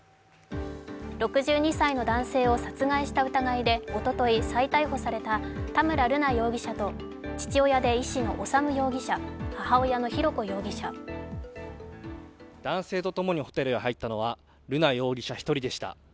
６２歳の男性を殺害した疑いでおととい再逮捕された田村瑠奈容疑者と父親で医師の修容疑者、男性と共にホテルに入ったのは瑠奈容疑者１人でした。